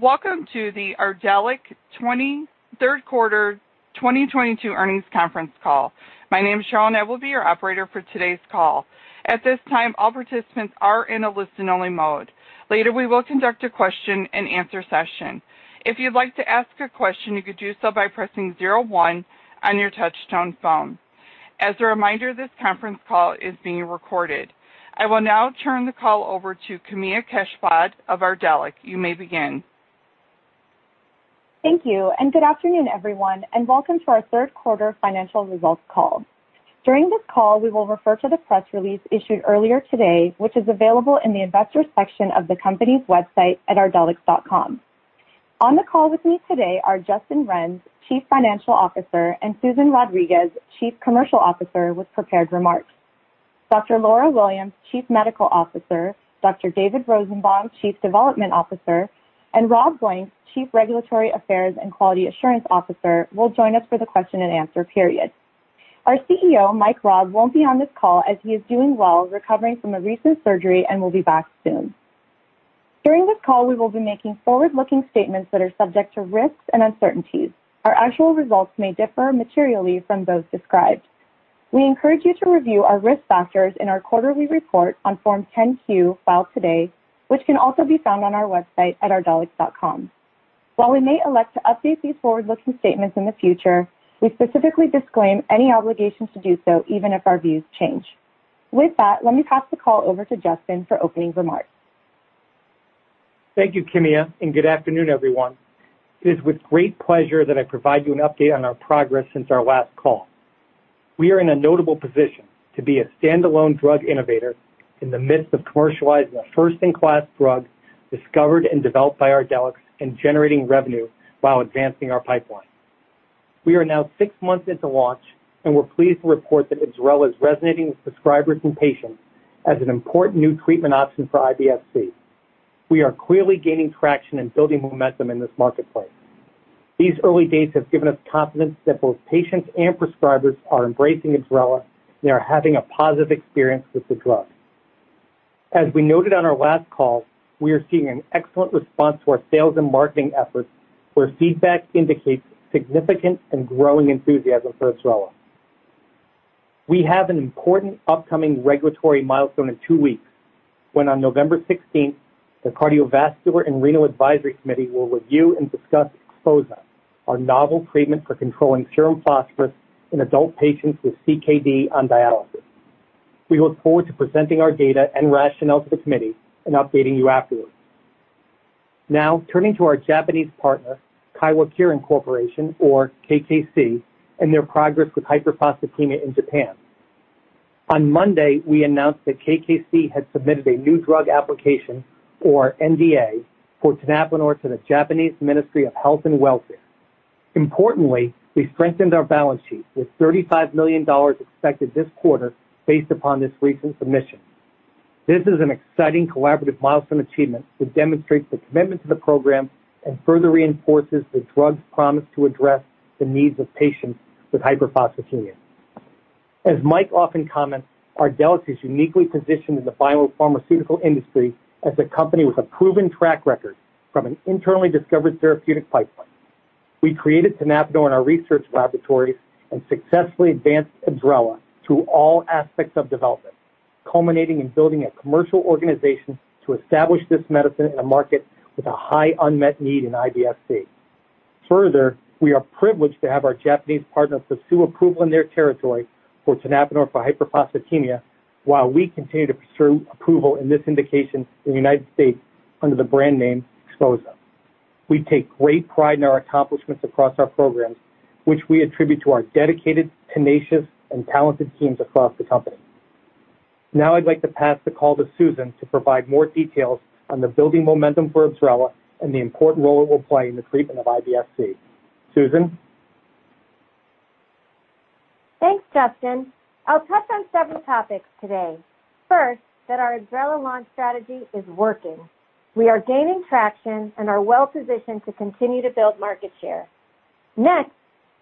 Welcome to the Ardelyx 23rd quarter 2022 earnings conference call. My name is Sharon. I will be your operator for today's call. At this time, all participants are in a listen-only mode. Later, we will conduct a question and answer session. If you'd like to ask a question, you can do so by pressing zero one on your touchtone phone. As a reminder, this conference call is being recorded. I will now turn the call over to Caitlin Lowie of Ardelyx. You may begin. Thank you, and good afternoon, everyone, and welcome to our third quarter financial results call. During this call, we will refer to the press release issued earlier today, which is available in the investors section of the company's website at ardelyx.com On the call with me today are Justin Renz, Chief Financial Officer, and Susan Rodriguez, Chief Commercial Officer, with prepared remarks. Dr. Laura Williams, Chief Medical Officer, Dr. David Rosenbaum, Chief Development Officer, and Rob Blanks, Chief Regulatory and Quality Affairs Officer, will join us for the question and answer period. Our CEO, Mike Raab, won't be on this call as he is doing well, recovering from a recent surgery and will be back soon. During this call, we will be making forward-looking statements that are subject to risks and uncertainties. Our actual results may differ materially from those described. We encourage you to review our risk factors in our quarterly report on Form 10-Q filed today, which can also be found on our website at ardelyx.com. While we may elect to update these forward-looking statements in the future, we specifically disclaim any obligations to do so, even if our views change. With that, let me pass the call over to Justin for opening remarks. Thank you, Caitlin, and good afternoon, everyone. It is with great pleasure that I provide you an update on our progress since our last call. We are in a notable position to be a standalone drug innovator in the midst of commercializing a first-in-class drug discovered and developed by Ardelyx and generating revenue while advancing our pipeline. We are now six months into launch, and we're pleased to report that IBSRELA is resonating with prescribers and patients as an important new treatment option for IBS-C. We are clearly gaining traction and building momentum in this marketplace. These early days have given us confidence that both patients and prescribers are embracing IBSRELA and are having a positive experience with the drug. As we noted on our last call, we are seeing an excellent response to our sales and marketing efforts, where feedback indicates significant and growing enthusiasm for IBSRELA. We have an important upcoming regulatory milestone in two weeks when on November sixteenth, the Cardiovascular and Renal Drugs Advisory Committee will review and discuss XPHOZAH, our novel treatment for controlling serum phosphorus in adult patients with CKD on dialysis. We look forward to presenting our data and rationale to the committee and updating you afterwards. Now, turning to our Japanese partner, Kyowa Kirin Corporation or KKC, and their progress with hyperphosphatemia in Japan. On Monday, we announced that KKC had submitted a new drug application or NDA for tenapanor to the Japanese Ministry of Health, Labour and Welfare. Importantly, we strengthened our balance sheet with $35 million expected this quarter based upon this recent submission. This is an exciting collaborative milestone achievement that demonstrates the commitment to the program and further reinforces the drug's promise to address the needs of patients with hyperphosphatemia. As Mike often comments, Ardelyx is uniquely positioned in the biopharmaceutical industry as a company with a proven track record from an internally discovered therapeutic pipeline. We created tenapanor in our research laboratory and successfully advanced IBSRELA through all aspects of development, culminating in building a commercial organization to establish this medicine in a market with a high unmet need in IBS-C. Further, we are privileged to have our Japanese partner pursue approval in their territory for tenapanor for hyperphosphatemia while we continue to pursue approval in this indication in the United States under the brand name XPHOZAH. We take great pride in our accomplishments across our programs, which we attribute to our dedicated, tenacious, and talented teams across the company. Now I'd like to pass the call to Susan to provide more details on the building momentum for IBSRELA and the important role it will play in the treatment of IBS-C. Susan. Thanks, Justin. I'll touch on several topics today. First, that our IBSRELA launch strategy is working. We are gaining traction and are well positioned to continue to build market share. Next,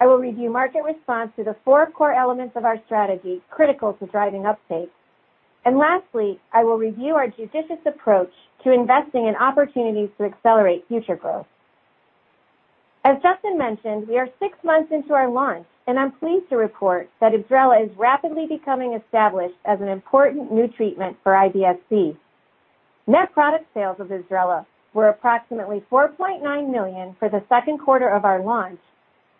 I will review market response to the four core elements of our strategy critical to driving uptake. Lastly, I will review our judicious approach to investing in opportunities to accelerate future growth. As Justin mentioned, we are six months into our launch, and I'm pleased to report that IBSRELA is rapidly becoming established as an important new treatment for IBS-C. Net product sales of IBSRELA were approximately $4.9 million for the second quarter of our launch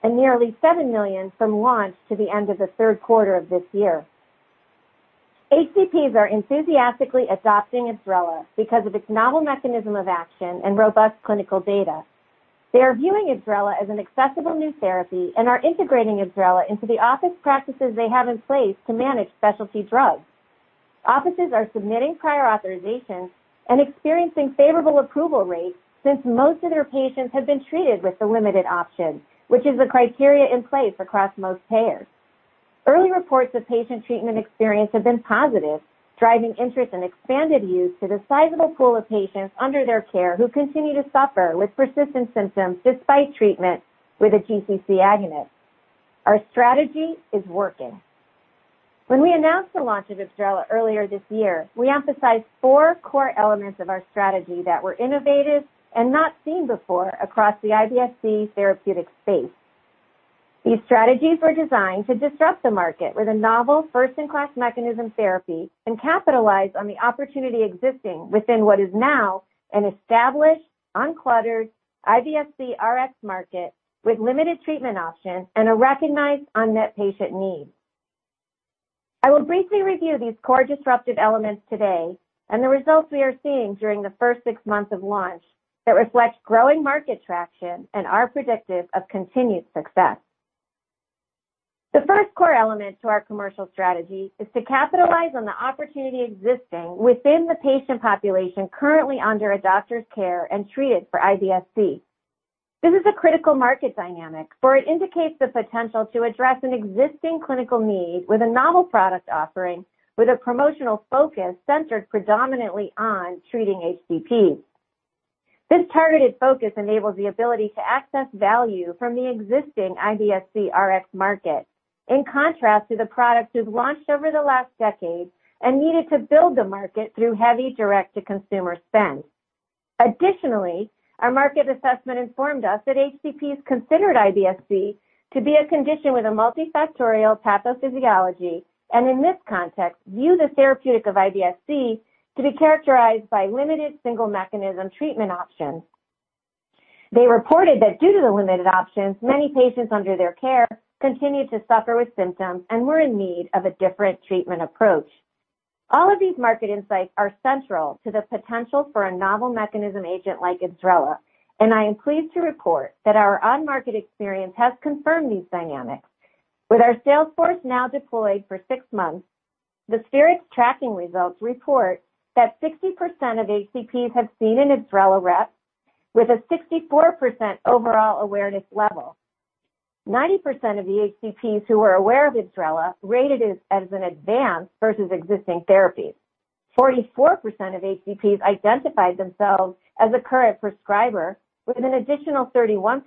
and nearly $7 million from launch to the end of the third quarter of this year. HCPs are enthusiastically adopting IBSRELA because of its novel mechanism of action and robust clinical data. They are viewing IBSRELA as an accessible new therapy and are integrating IBSRELA into the office practices they have in place to manage specialty drugs. Offices are submitting prior authorizations and experiencing favorable approval rates since most of their patients have been treated with a limited option, which is the criteria in place across most payers. Early reports of patient treatment experience have been positive, driving interest in expanded use to the sizable pool of patients under their care who continue to suffer with persistent symptoms despite treatment with a GC-C agonist. Our strategy is working. When we announced the launch of IBSRELA earlier this year, we emphasized four core elements of our strategy that were innovative and not seen before across the IBS-C therapeutic space. These strategies were designed to disrupt the market with a novel first-in-class mechanism therapy and capitalize on the opportunity existing within what is now an established, uncluttered IBS-C RX market with limited treatment options and a recognized unmet patient need. I will briefly review these core disruptive elements today and the results we are seeing during the first six months of launch that reflect growing market traction and are predictive of continued success. The first core element to our commercial strategy is to capitalize on the opportunity existing within the patient population currently under a doctor's care and treated for IBS-C. This is a critical market dynamic, for it indicates the potential to address an existing clinical need with a novel product offering, with a promotional focus centered predominantly on treating HCPs. This targeted focus enables the ability to access value from the existing IBS-C RX market, in contrast to the products we've launched over the last decade and needed to build the market through heavy direct-to-consumer spend. Additionally, our market assessment informed us that HCPs considered IBS-C to be a condition with a multifactorial pathophysiology, and in this context, view the therapeutic of IBS-C to be characterized by limited single mechanism treatment options. They reported that due to the limited options, many patients under their care continued to suffer with symptoms and were in need of a different treatment approach. All of these market insights are central to the potential for a novel mechanism agent like IBSRELA, and I am pleased to report that our on-market experience has confirmed these dynamics. With our sales force now deployed for six months, the Spherix tracking results report that 60% of HCPs have seen an IBSRELA rep, with a 64% overall awareness level. 90% of the HCPs who were aware of IBSRELA rated it as an advance versus existing therapies. 44% of HCPs identified themselves as a current prescriber, with an additional 31%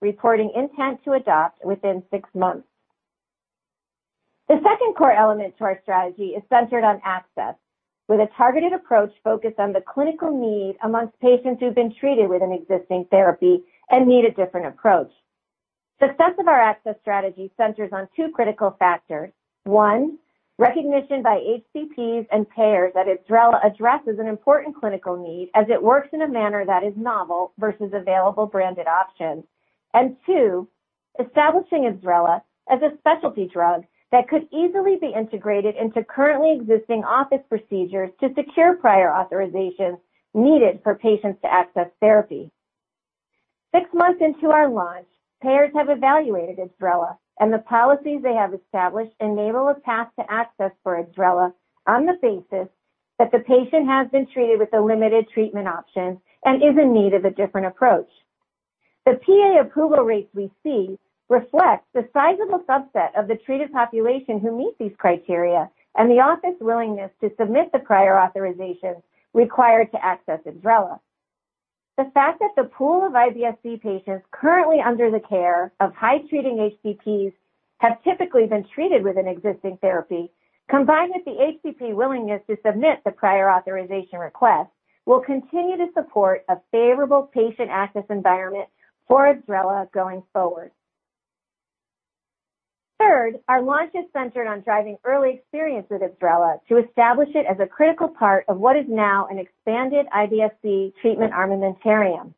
reporting intent to adopt within six months. The second core element to our strategy is centered on access, with a targeted approach focused on the clinical need among patients who've been treated with an existing therapy and need a different approach. Success of our access strategy centers on two critical factors. One, recognition by HCPs and payers that IBSRELA addresses an important clinical need as it works in a manner that is novel versus available branded options. Two, establishing IBSRELA as a specialty drug that could easily be integrated into currently existing office procedures to secure prior authorizations needed for patients to access therapy. Six months into our launch, payers have evaluated IBSRELA, and the policies they have established enable a path to access for IBSRELA on the basis that the patient has been treated with the limited treatment options and is in need of a different approach. The PA approval rates we see reflect the sizable subset of the treated population who meet these criteria and the office willingness to submit the prior authorization required to access IBSRELA. The fact that the pool of IBS-C patients currently under the care of high-treating HCPs have typically been treated with an existing therapy, combined with the HCP willingness to submit the prior authorization request, will continue to support a favorable patient access environment for IBSRELA going forward. Third, our launch is centered on driving early experience with IBSRELA to establish it as a critical part of what is now an expanded IBS-C treatment armamentarium.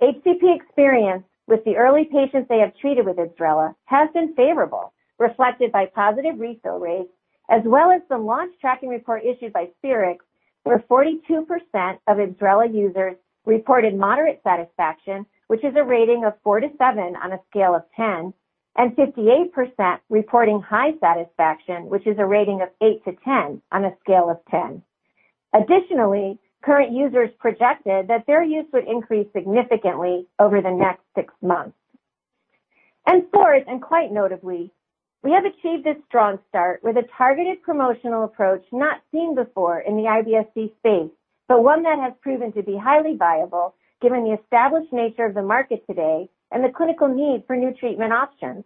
HCP experience with the early patients they have treated with IBSRELA has been favorable, reflected by positive refill rates as well as the launch tracking report issued by Spherix, where 42% of IBSRELA users reported moderate satisfaction, which is a rating of 4-7 on a scale of 10, and 58% reporting high satisfaction, which is a rating of 8-10 on a scale of 10. Additionally, current users projected that their use would increase significantly over the next six months. Fourth, and quite notably, we have achieved a strong start with a targeted promotional approach not seen before in the IBS-C space, but one that has proven to be highly viable given the established nature of the market today and the clinical need for new treatment options.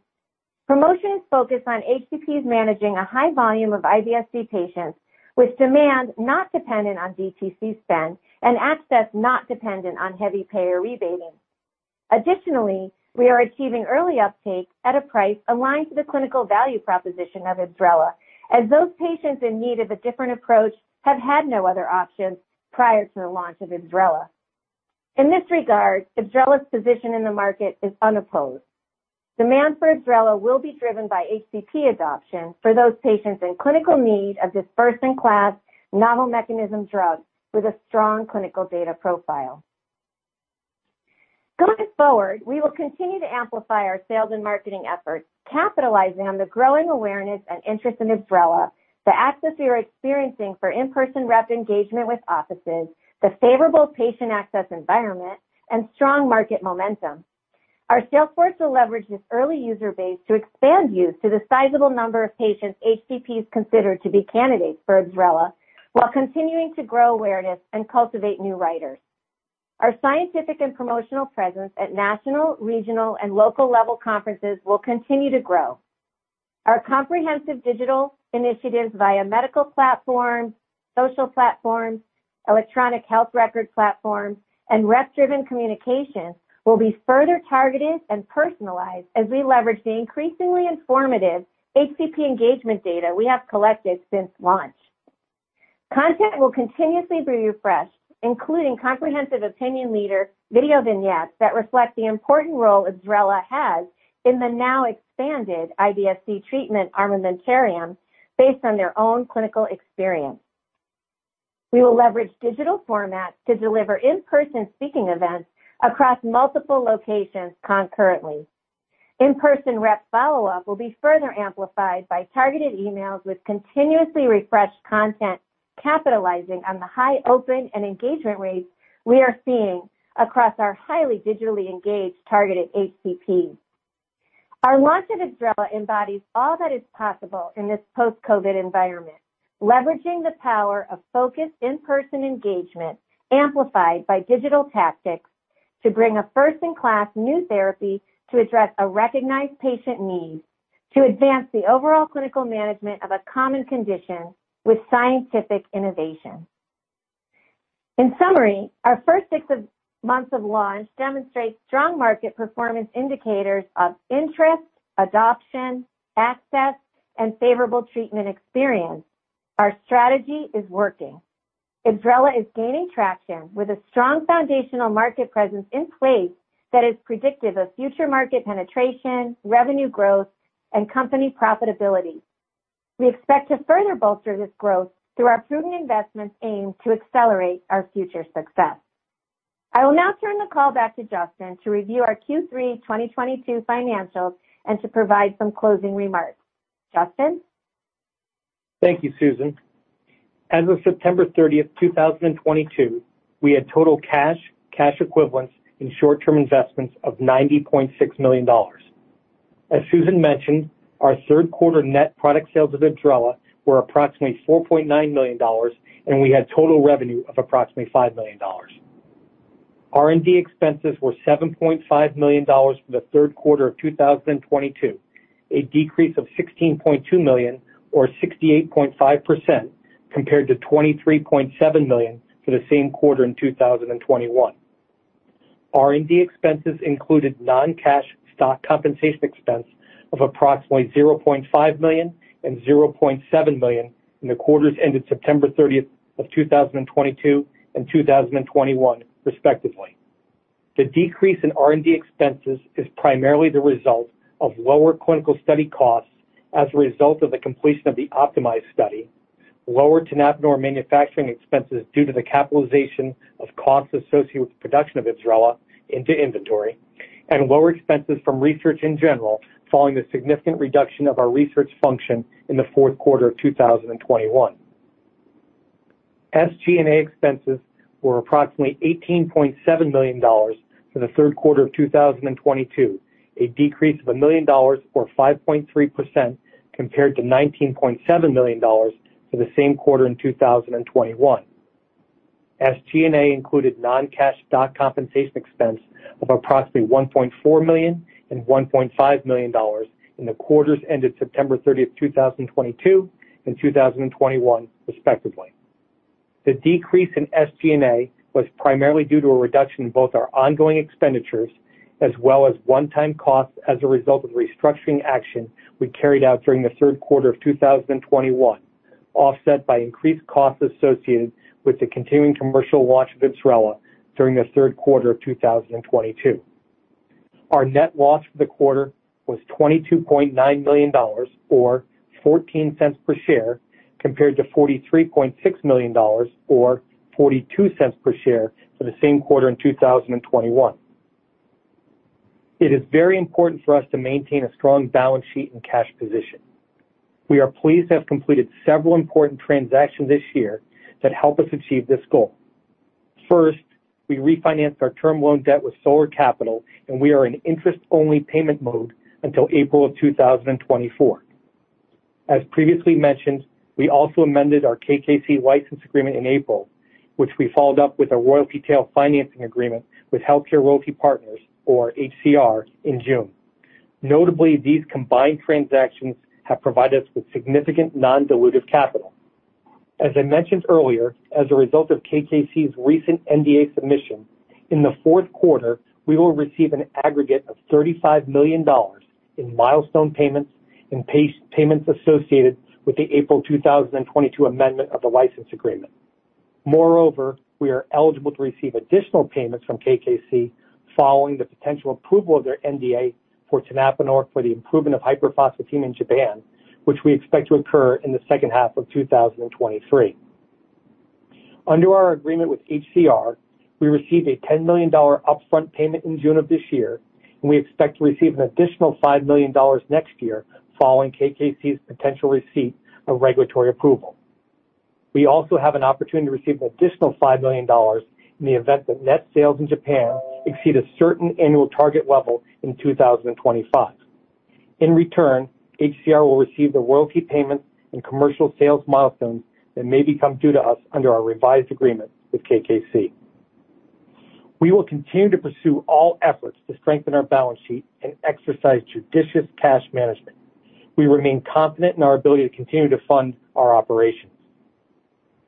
Promotions focus on HCPs managing a high volume of IBS-C patients, with demand not dependent on DTC spend and access not dependent on heavy payer rebating. Additionally, we are achieving early uptake at a price aligned to the clinical value proposition of IBSRELA, as those patients in need of a different approach have had no other options prior to the launch of IBSRELA. In this regard, IBSRELA's position in the market is unopposed. Demand for IBSRELA will be driven by HCP adoption for those patients in clinical need of this first-in-class novel mechanism drug with a strong clinical data profile. Going forward, we will continue to amplify our sales and marketing efforts, capitalizing on the growing awareness and interest in IBSRELA, the access we are experiencing for in-person rep engagement with offices, the favorable patient access environment, and strong market momentum. Our sales force will leverage this early user base to expand use to the sizable number of patients HCPs consider to be candidates for IBSRELA while continuing to grow awareness and cultivate new writers. Our scientific and promotional presence at national, regional, and local level conferences will continue to grow. Our comprehensive digital initiatives via medical platforms, social platforms, electronic health record platforms, and rep-driven communication will be further targeted and personalized as we leverage the increasingly informative HCP engagement data we have collected since launch. Content will continuously be refreshed, including comprehensive opinion leader video vignettes that reflect the important role IBSRELA has in the now expanded IBS-C treatment armamentarium based on their own clinical experience. We will leverage digital formats to deliver in-person speaking events across multiple locations concurrently. In-person rep follow-up will be further amplified by targeted emails with continuously refreshed content capitalizing on the high open and engagement rates we are seeing across our highly digitally engaged targeted HCPs. Our launch of IBSRELA embodies all that is possible in this post-COVID environment, leveraging the power of focused in-person engagement amplified by digital tactics to bring a first-in-class new therapy to address a recognized patient need to advance the overall clinical management of a common condition with scientific innovation. In summary, our first six months of launch demonstrates strong market performance indicators of interest, adoption, access, and favorable treatment experience. Our strategy is working. IBSRELA is gaining traction with a strong foundational market presence in place that is predictive of future market penetration, revenue growth, and company profitability. We expect to further bolster this growth through our proven investments aimed to accelerate our future success. I will now turn the call back to Justin to review our Q3 2022 financials and to provide some closing remarks. Justin? Thank you, Susan. As of 30thSeptember, 2022, we had total cash equivalents, and short-term investments of $90.6 million. As Susan mentioned, our third quarter net product sales of IBSRELA were approximately $4.9 million, and we had total revenue of approximately $5 million. R&D expenses were $7.5 million for the third quarter of 2022, a decrease of $16.2 million or 68.5% compared to $23.7 million for the same quarter in 2021. R&D expenses included non-cash stock compensation expense of approximately $0.5 million and $0.7 million in the quarters ended 30th September 2022 and 2021, respectively. The decrease in R&D expenses is primarily the result of lower clinical study costs as a result of the completion of the OPTIMIZE study, lower tenapanor manufacturing expenses due to the capitalization of costs associated with the production of IBSRELA into inventory, and lower expenses from research in general following the significant reduction of our research function in the fourth quarter of 2021. SG&A expenses were approximately $18.7 million for the third quarter of 2022, a decrease of $1 million or 5.3% compared to $19.7 million for the same quarter in 2021. SG&A included non-cash stock compensation expense of approximately $1.4 million and $1.5 million in the quarters ended 30th September 2022 and 2021, respectively. The decrease in SG&A was primarily due to a reduction in both our ongoing expenditures as well as one-time costs as a result of restructuring action we carried out during the third quarter of 2021, offset by increased costs associated with the continuing commercial launch of IBSRELA during the third quarter of 2022. Our net loss for the quarter was $22.9 million or 0.14 per share, compared to $43.6 million or 0.42 per share for the same quarter in 2021. It is very important for us to maintain a strong balance sheet and cash position. We are pleased to have completed several important transactions this year that help us achieve this goal. First, we refinanced our term loan debt with Solar Capital, and we are in interest-only payment mode until April of 2024. As previously mentioned, we also amended our KKC license agreement in April, which we followed up with a royalty tail financing agreement with HealthCare Royalty Partners or HCRx in June. Notably, these combined transactions have provided us with significant non-dilutive capital. As I mentioned earlier, as a result of KKC's recent NDA submission, in the fourth quarter, we will receive an aggregate of $35 million in milestone payments and pace payments associated with the April 2022 amendment of the license agreement. Moreover, we are eligible to receive additional payments from KKC following the potential approval of their NDA for tenapanor for the improvement of hyperphosphatemia in Japan, which we expect to occur in the second half of 2023. Under our agreement with HCRx, we received a $10 million upfront payment in June of this year, and we expect to receive an additional $5 million next year following KKC's potential receipt of regulatory approval. We also have an opportunity to receive an additional $5 million in the event that net sales in Japan exceed a certain annual target level in 2025. In return, HCRx will receive the royalty payments and commercial sales milestones that may become due to us under our revised agreement with KKC. We will continue to pursue all efforts to strengthen our balance sheet and exercise judicious cash management. We remain confident in our ability to continue to fund our operations.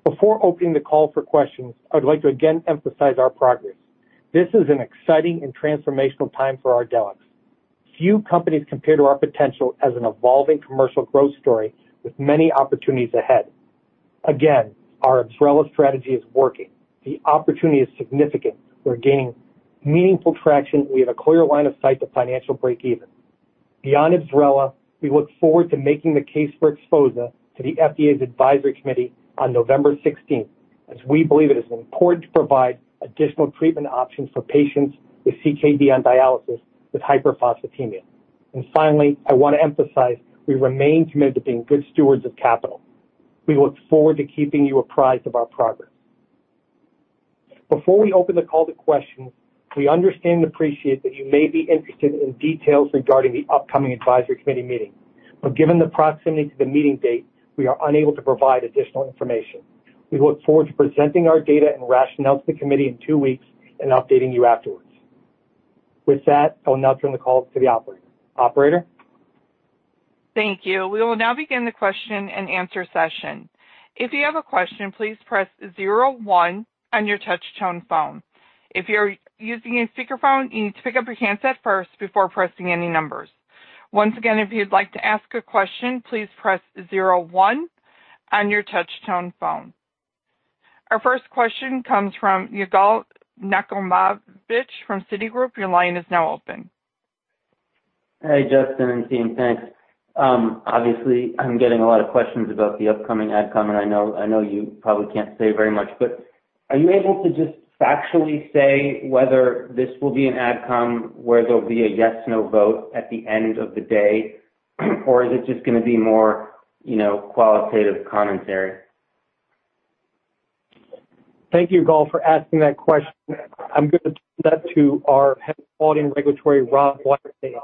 Before opening the call for questions, I would like to again emphasize our progress. This is an exciting and transformational time for Ardelyx. Few companies compare to our potential as an evolving commercial growth story with many opportunities ahead. Again, our IBSRELA strategy is working. The opportunity is significant. We're gaining meaningful traction. We have a clear line of sight to financial breakeven. Beyond IBSRELA, we look forward to making the case for XPHOZAH to the FDA's advisory committee on November sixteenth, as we believe it is important to provide additional treatment options for patients with CKD on dialysis with hyperphosphatemia. Finally, I want to emphasize we remain committed to being good stewards of capital. We look forward to keeping you apprised of our progress. Before we open the call to questions, we understand and appreciate that you may be interested in details regarding the upcoming advisory committee meeting. Given the proximity to the meeting date, we are unable to provide additional information. We look forward to presenting our data and rationale to the committee in two weeks and updating you afterwards. With that, I will now turn the call to the operator. Operator? Thank you. We will now begin the question-and-answer session. If you have a question, please press zero one on your touchtone phone. If you're using a speakerphone, you need to pick up your handset first before pressing any numbers. Once again, if you'd like to ask a question, please press zero one on your touchtone phone. Our first question comes from Yigal Nochomovitz from Citigroup. Your line is now open. Hey, Justin and team. Thanks. Obviously, I'm getting a lot of questions about the upcoming Advisory Committee, and I know you probably can't say very much, but are you able to just factually say whether this will be an Advisory Committee where there'll be a yes/no vote at the end of the day, or is it just gonna be more, you know, qualitative commentary? Thank you, Yigal, for asking that question. I'm gonna turn that to our head of quality and regulatory, Robert Blanks.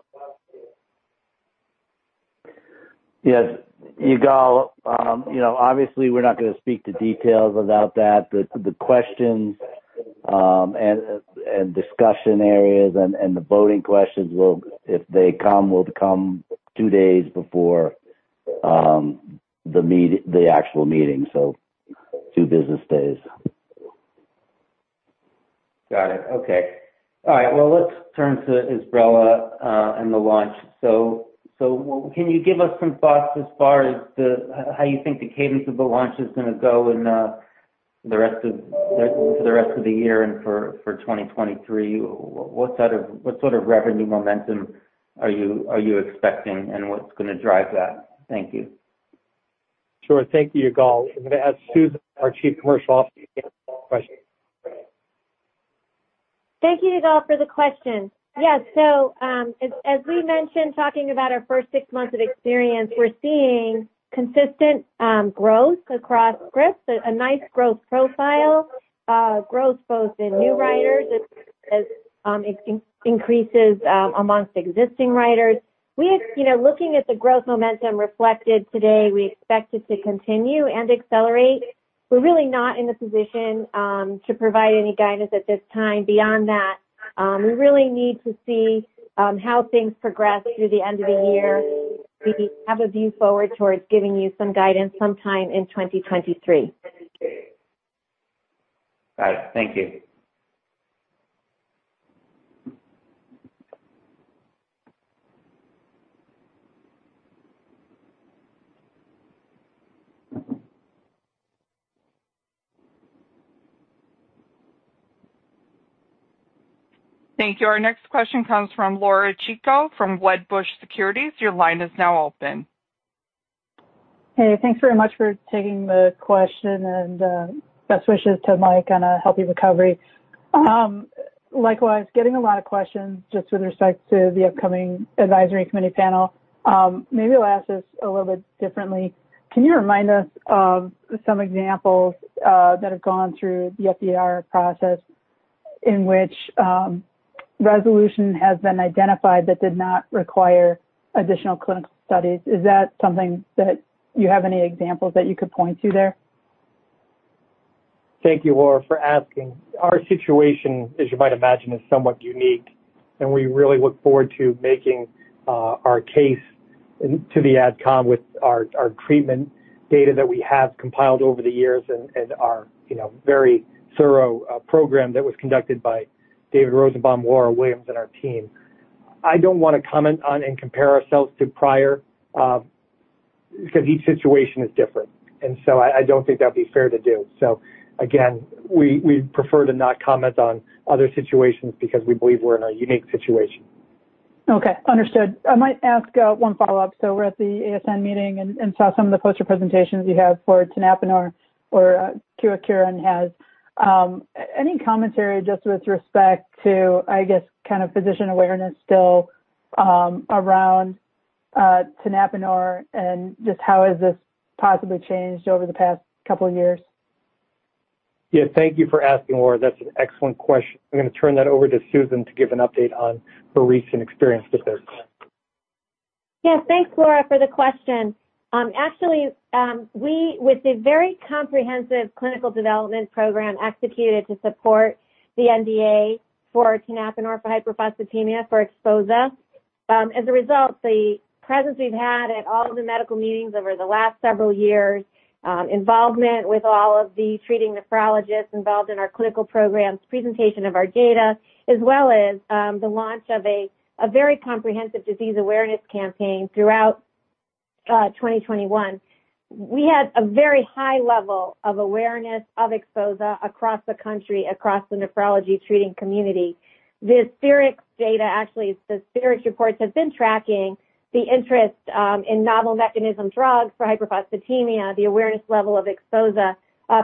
Yes. Yigal, you know, obviously, we're not gonna speak to details about that, but the questions and discussion areas and the voting questions will, if they come two days before the actual meeting, so two business days. Got it. Okay. All right. Well, let's turn to IBSRELA and the launch. Can you give us some thoughts as far as how you think the cadence of the launch is gonna go in the rest of the year and for 2023? What sort of revenue momentum are you expecting, and what's gonna drive that? Thank you. Sure. Thank you, Yigal. I'm gonna ask Susan, our Chief Commercial Officer to answer that question. Thank you, Yigal, for the question. Yes. As we mentioned, talking about our first six months of experience, we're seeing consistent growth across scripts, a nice growth profile, growth both in new writers as increases amongst existing writers. You know, looking at the growth momentum reflected today, we expect it to continue and accelerate. We're really not in a position to provide any guidance at this time. Beyond that, we really need to see how things progress through the end of the year. We have a view forward towards giving you some guidance sometime in 2023. Got it. Thank you. Thank you. Our next question comes from Laura Chico from Wedbush Securities. Your line is now open. Hey, thanks very much for taking the question and best wishes to Mike on a healthy recovery. Likewise, getting a lot of questions just with respect to the upcoming Advisory Committee panel. Maybe I'll ask this a little bit differently. Can you remind us of some examples that have gone through the FDR process in which resolution has been identified but did not require additional clinical studies? Is that something that you have any examples that you could point to there? Thank you, Laura, for asking. Our situation, as you might imagine, is somewhat unique, and we really look forward to making our case to the Advisory Committee with our treatment data that we have compiled over the years and our you know very thorough program that was conducted by David Rosenbaum, Laura Williams, and our team. I don't wanna comment on and compare ourselves to prior because each situation is different. I don't think that'd be fair to do. Again, we prefer to not comment on other situations because we believe we're in a unique situation. Okay. Understood. I might ask one follow-up. We're at the ASN meeting and saw some of the poster presentations you have for tenapanor or Kyowa Kirin has. Any commentary just with respect to, I guess, kind of physician awareness still around tenapanor and just how has this possibly changed over the past couple of years? Yeah, thank you for asking, Laura. That's an excellent question. I'm gonna turn that over to Susan to give an update on her recent experience with this. Yes, thanks, Laura, for the question. Actually, we, with a very comprehensive clinical development program executed to support the NDA for tenapanor for hyperphosphatemia for XPHOZAH. As a result, the presence we've had at all of the medical meetings over the last several years, involvement with all of the treating nephrologists involved in our clinical programs, presentation of our data, as well as, the launch of a very comprehensive disease awareness campaign throughout 2021. We had a very high level of awareness of XPHOZAH across the country, across the nephrology treating community. The Spherix data, actually, the Spherix reports have been tracking the interest in novel mechanism drugs for hyperphosphatemia, the awareness level of XPHOZAH,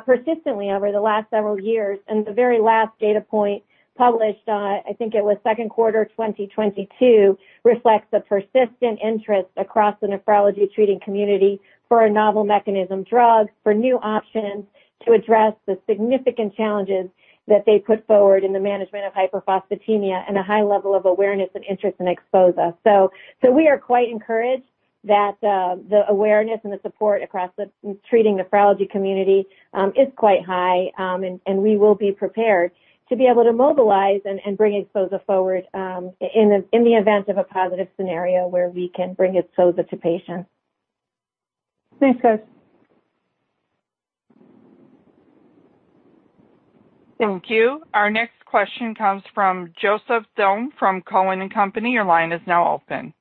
persistently over the last several years. The very last data point published, I think it was second quarter 2022, reflects the persistent interest across the nephrology treating community for a novel mechanism drug, for new options to address the significant challenges that they put forward in the management of hyperphosphatemia and a high level of awareness and interest in XPHOZAH. We are quite encouraged that the awareness and the support across the treating nephrology community is quite high. We will be prepared to be able to mobilize and bring XPHOZAH forward, in the event of a positive scenario where we can bring XPHOZAH to patients. Thanks, guys. Thank you. Our next question comes from Joseph Thome from Cowen and Company. Your line is now open.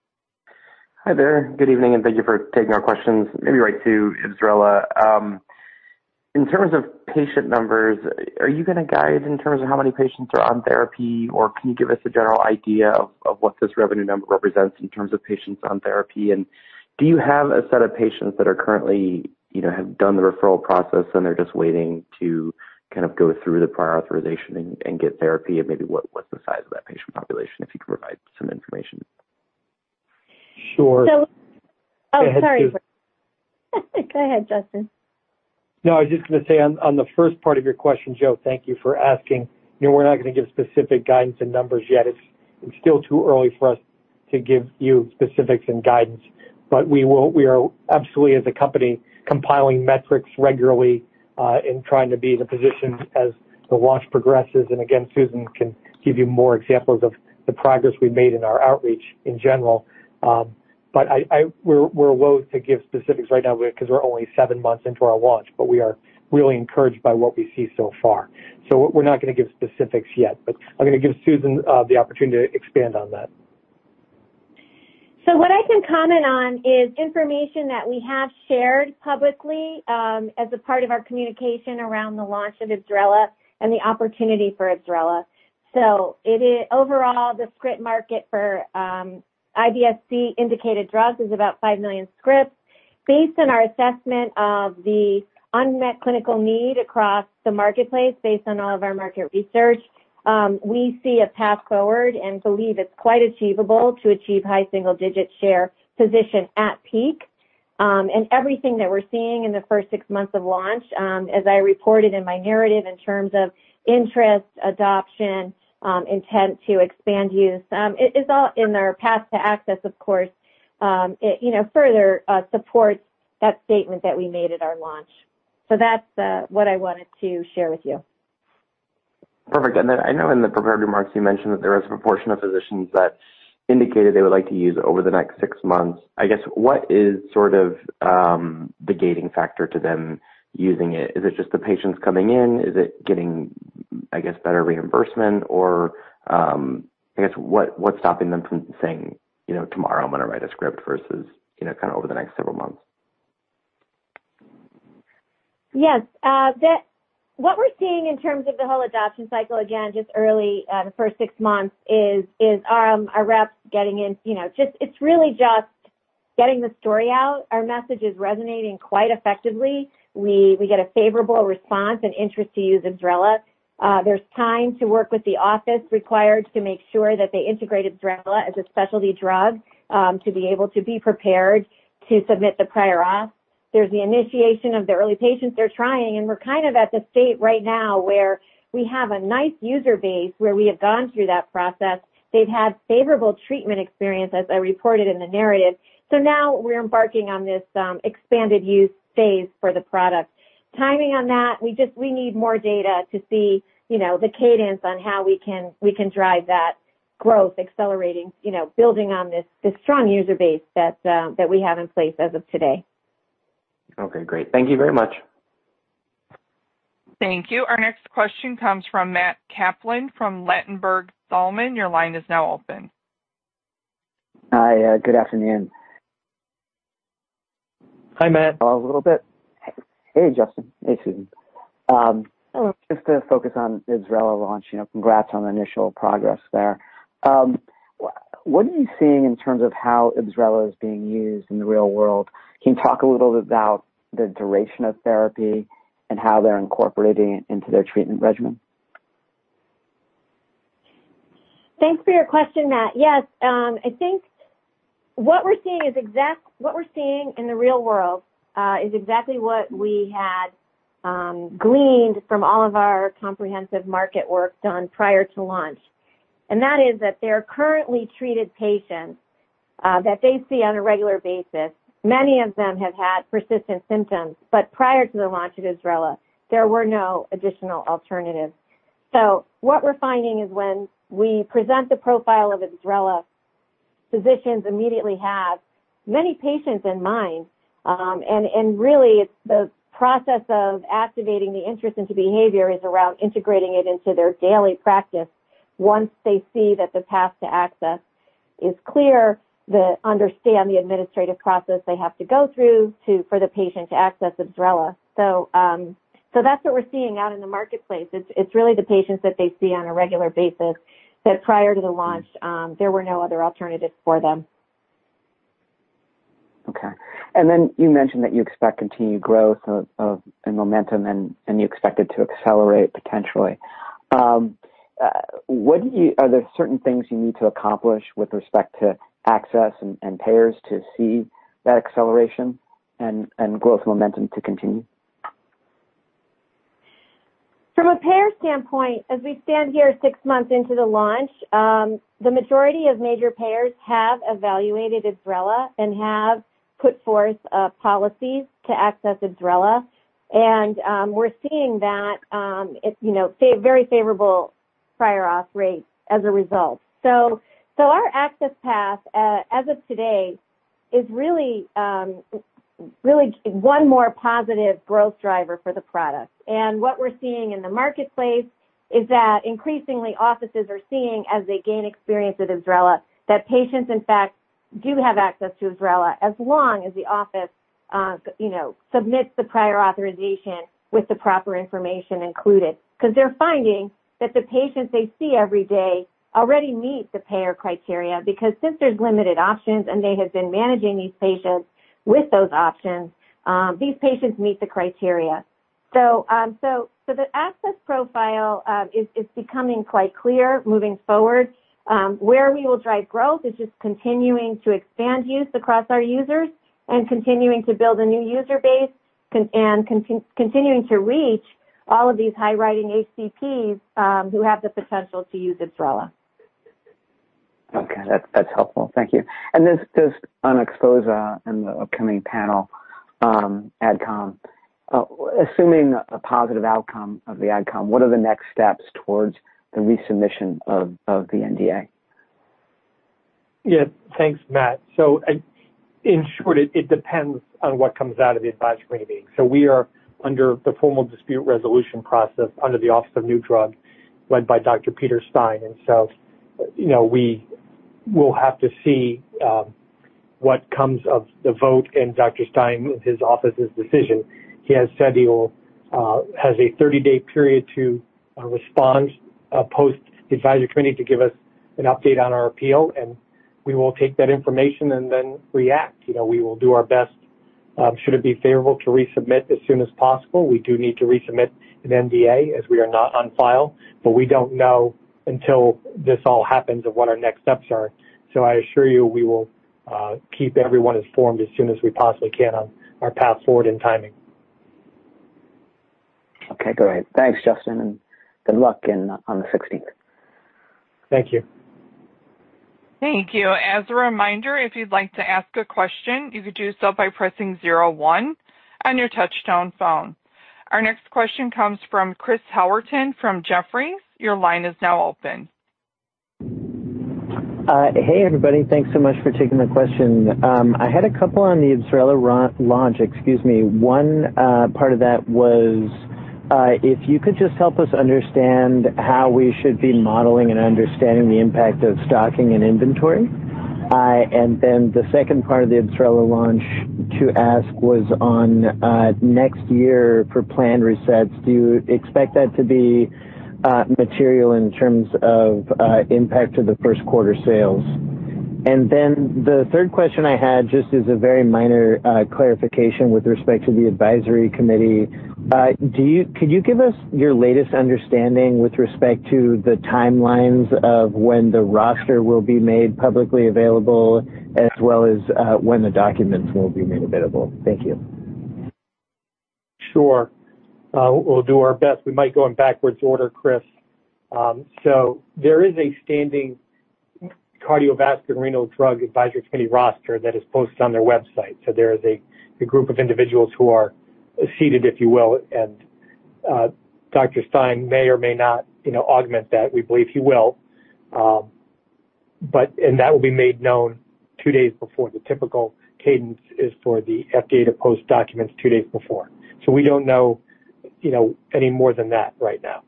Hi there. Good evening, and thank you for taking our questions. Maybe right to IBSRELA. In terms of patient numbers, are you gonna guide in terms of how many patients are on therapy, or can you give us a general idea of what this revenue number represents in terms of patients on therapy? Do you have a set of patients that are currently, you know, have done the referral process, and they're just waiting to kind of go through the prior authorization and get therapy? Maybe what's the size of that patient population, if you could provide some information. Sure. Oh, sorry. Go ahead, Justin. No, I was just gonna say on the first part of your question, Joe, thank you for asking. You know, we're not gonna give specific guidance and numbers yet. It's still too early for us to give you specifics and guidance. We are absolutely as a company compiling metrics regularly, and trying to be in a position as the launch progresses. Susan can give you more examples of the progress we've made in our outreach in general. We're loath to give specifics right now because we're only seven months into our launch, but we are really encouraged by what we see so far. We're not gonna give specifics yet, but I'm gonna give Susan the opportunity to expand on that. What I can comment on is information that we have shared publicly, as a part of our communication around the launch of IBSRELA and the opportunity for IBSRELA. It is overall the script market for IBS-C indicated drugs is about 5 million scripts. Based on our assessment of the unmet clinical need across the marketplace, based on all of our market research, we see a path forward and believe it's quite achievable to achieve high single digit share position at peak. Everything that we're seeing in the first 6 months of launch, as I reported in my narrative in terms of interest, adoption, intent to expand use, it is all in our path to access, of course, it, you know, further supports that statement that we made at our launch. That's what I wanted to share with you. Perfect. I know in the prepared remarks you mentioned that there was a proportion of physicians that indicated they would like to use over the next six months. I guess what is sort of the gating factor to them using it? Is it just the patients coming in? Is it getting, I guess, better reimbursement or, I guess what's stopping them from saying, you know, tomorrow I'm gonna write a script versus, you know, kind of over the next several months? Yes. The what we're seeing in terms of the whole adoption cycle, again, just early, the first six months is our reps getting in, you know, it's really just getting the story out. Our message is resonating quite effectively. We get a favorable response and interest to use IBSRELA. There's time to work with the office required to make sure that they integrate IBSRELA as a specialty drug, to be able to be prepared to submit the prior auth. There's the initiation of the early patients they're trying, and we're kind of at the state right now where we have a nice user base where we have gone through that process. They've had favorable treatment experience, as I reported in the narrative. Now we're embarking on this expanded use phase for the product. Timing on that, we just need more data to see, you know, the cadence on how we can drive that growth accelerating, you know, building on this strong user base that we have in place as of today. Okay, great. Thank you very much. Thank you. Our next question comes from Matthew Kaplan from Ladenburg Thalmann. Your line is now open. Hi. Good afternoon. Hi, Matt. A little bit. Hey, Justin. Hey, Susan. Just to focus on IBSRELA launch. You know, congrats on the initial progress there. What are you seeing in terms of how IBSRELA is being used in the real world? Can you talk a little bit about the duration of therapy and how they're incorporating it into their treatment regimen? Thanks for your question, Matt. Yes. I think what we're seeing in the real world is exactly what we had gleaned from all of our comprehensive market work done prior to launch. That is that there are currently treated patients that they see on a regular basis. Many of them have had persistent symptoms, but prior to the launch of IBSRELA, there were no additional alternatives. What we're finding is when we present the profile of IBSRELA, physicians immediately have many patients in mind. And really it's the process of activating the interest into behavior is around integrating it into their daily practice once they see that the path to access is clear, understand the administrative process they have to go through for the patient to access IBSRELA. That's what we're seeing out in the marketplace. It's really the patients that they see on a regular basis that prior to the launch, there were no other alternatives for them. Okay. You mentioned that you expect continued growth and momentum, and you expect it to accelerate potentially. Are there certain things you need to accomplish with respect to access and payers to see that acceleration and growth momentum to continue? From a payer standpoint, as we stand here six months into the launch, the majority of major payers have evaluated IBSRELA and have put forth policies to access IBSRELA. We're seeing that it's, you know, very favorable prior auth rates as a result. So our access path, as of today is really really one more positive growth driver for the product. What we're seeing in the marketplace is that increasingly offices are seeing as they gain experience with IBSRELA, that patients, in fact, do have access to IBSRELA as long as the office, you know, submits the prior authorization with the proper information included. 'Cause they're finding that the patients they see every day already meet the payer criteria because since there's limited options and they have been managing these patients with those options, these patients meet the criteria. The access profile is becoming quite clear moving forward. Where we will drive growth is just continuing to expand use across our users and continuing to build a new user base and continuing to reach all of these high prescribing HCPs who have the potential to use IBSRELA. Okay. That's helpful. Thank you. Just on XPHOZAH and the upcoming panel, AdCom, assuming a positive outcome of the AdCom, what are the next steps towards the resubmission of the NDA? Yeah. Thanks, Matt. In short, it depends on what comes out of the advisory meeting. We are under the Formal Dispute Resolution process under the Office of New Drugs led by Dr. Peter Stein. We will have to see what comes of the vote and Dr. Stein's office's decision. He has said he has a 30-day period to respond post the advisory committee to give us an update on our appeal, and we will take that information and then react. We will do our best should it be favorable to resubmit as soon as possible. We do need to resubmit an NDA as we are not on file, but we don't know until this all happens of what our next steps are. I assure you, we will keep everyone informed as soon as we possibly can on our path forward and timing. Okay, great. Thanks, Justin, and good luck on the 16th. Thank you. Thank you. As a reminder, if you'd like to ask a question, you could do so by pressing zero one on your touchtone phone. Our next question comes from Chris Howerton from Jefferies. Your line is now open. Hey, everybody. Thanks so much for taking my question. I had a couple on the IBSRELA launch. Excuse me. One part of that was, if you could just help us understand how we should be modeling and understanding the impact of stocking and inventory. Then the second part of the IBSRELA launch to ask was on, next year for plan resets, do you expect that to be material in terms of impact to the first quarter sales? Then the third question I had just is a very minor clarification with respect to the Advisory Committee. Could you give us your latest understanding with respect to the timelines of when the roster will be made publicly available, as well as, when the documents will be made available? Thank you. Sure. We'll do our best. We might go in backwards order, Chris. There is a standing Cardiovascular and Renal Drugs Advisory Committee roster that is posted on their website. There is a group of individuals who are seated, if you will, and Dr. Stein may or may not, you know, augment that. We believe he will. But that will be made known two days before. The typical cadence is for the FDA to post documents two days before. We don't know, you know, any more than that right now.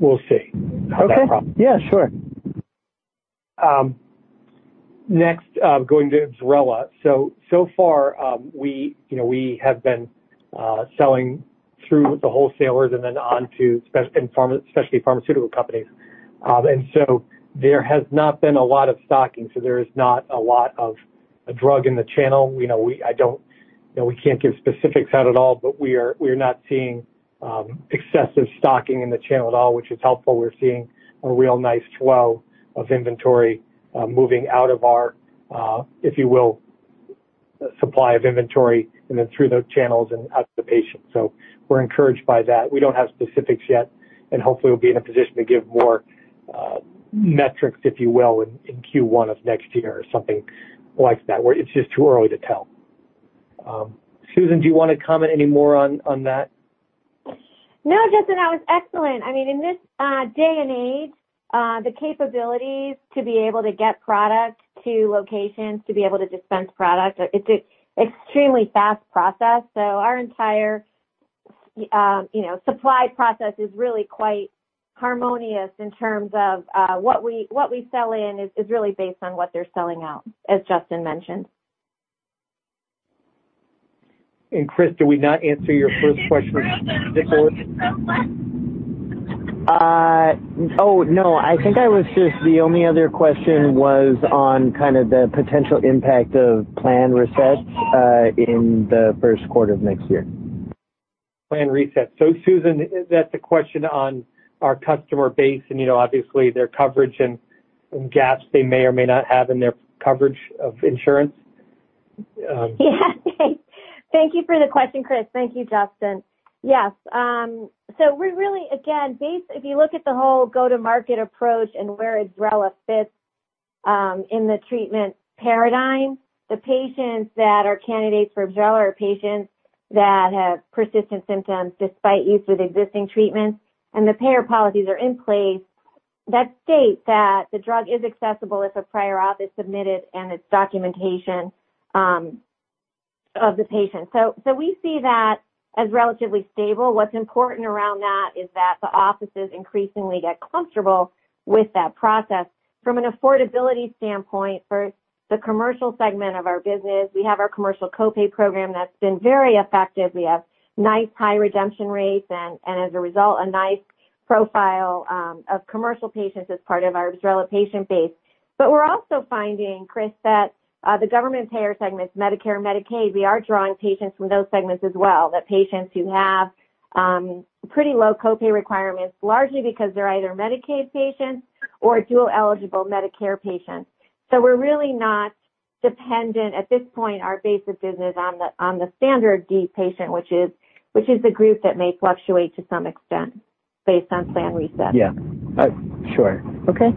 We'll see. Okay. No problem. Yeah, sure. Next, going to IBSRELA. So far, you know, we have been selling through the wholesalers and then on to specialty pharmaceutical companies. There has not been a lot of stocking, so there is not a lot of drug in the channel. You know, we can't give specifics out at all, but we're not seeing excessive stocking in the channel at all, which is helpful. We're seeing a real nice flow of inventory moving out of our, if you will, supply of inventory and then through the channels and out to the patient. We're encouraged by that. We don't have specifics yet, and hopefully we'll be in a position to give more metrics, if you will, in Q1 of next year or something like that, where it's just too early to tell. Susan, do you wanna comment any more on that? No, Justin, that was excellent. I mean, in this day and age, the capabilities to be able to get product to locations, to be able to dispense product, it's an extremely fast process. So our entire, you know, supply process is really quite harmonious in terms of what we sell in is really based on what they're selling out, as Justin mentioned. Chris, did we not answer your first question before? The only other question was on kind of the potential impact of plan resets in the first quarter of next year. Plan reset. Susan, is that the question on our customer base and, you know, obviously their coverage and gaps they may or may not have in their coverage of insurance? Yeah. Thank you for the question, Chris. Thank you, Justin. Yes, we're really, again. If you look at the whole go-to-market approach and where IBSRELA fits, in the treatment paradigm, the patients that are candidates for IBSRELA are patients that have persistent symptoms despite use of existing treatments, and the payer policies are in place that state that the drug is accessible if a prior auth is submitted and its documentation of the patient. We see that as relatively stable. What's important around that is that the offices increasingly get comfortable with that process. From an affordability standpoint, for the commercial segment of our business, we have our commercial co-pay program that's been very effective. We have nice high redemption rates and, as a result, a nice profile of commercial patients as part of our IBSRELA patient base. We're also finding, Chris, that the government payer segments, Medicare and Medicaid, we are drawing patients from those segments as well, that patients who have pretty low co-pay requirements, largely because they're either Medicaid patients or dual-eligible Medicare patients. So we're really not dependent at this point, our base of business on the standard D patient, which is the group that may fluctuate to some extent based on plan resets. Yeah. Sure. Okay.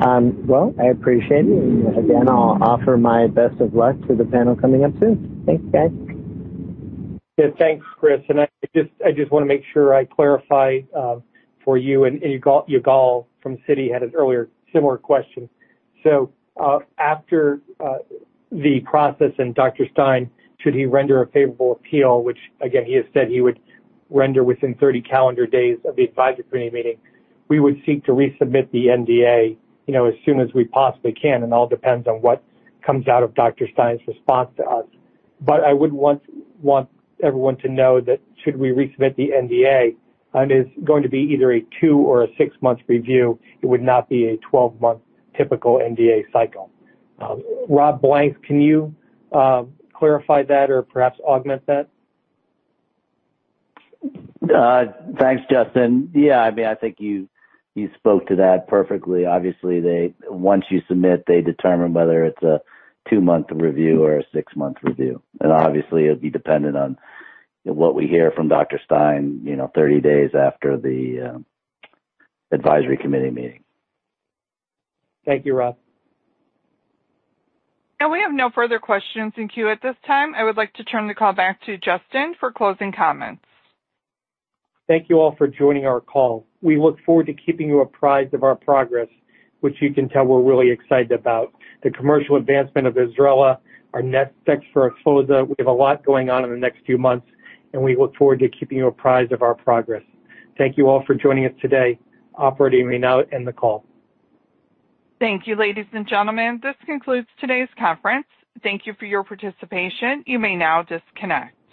Well, I appreciate it. Again, I'll offer my best of luck to the panel coming up soon. Thanks, guys. Yeah, thanks, Chris. I just wanna make sure I clarify for you and Yigal from Citi had an earlier similar question. After the process and Dr. Stein, should he render a favorable appeal, which again, he has said he would render within 30 calendar days of the Advisory Committee meeting, we would seek to resubmit the NDA, you know, as soon as we possibly can. It all depends on what comes out of Dr. Stein's response to us. I would want everyone to know that should we resubmit the NDA, it's going to be either a two or a six month review. It would not be a 12-month typical NDA cycle. Robert Blanks, can you clarify that or perhaps augment that? Thanks, Justin. Yeah, I mean, I think you spoke to that perfectly. Obviously, they once you submit, they determine whether it's a two month review or a six month review. Obviously, it'd be dependent on, you know, what we hear from Dr. Stein, you know, 30 days after the Advisory Committee meeting. Thank you, Rob. We have no further questions in queue at this time. I would like to turn the call back to Justin for closing comments. Thank you all for joining our call. We look forward to keeping you apprised of our progress, which you can tell we're really excited about. The commercial advancement of IBSRELA, our next steps for XPHOZAH. We have a lot going on in the next few months, and we look forward to keeping you apprised of our progress. Thank you all for joining us today. Operator, you may now end the call. Thank you, ladies and gentlemen. This concludes today's conference. Thank you for your participation. You may now disconnect.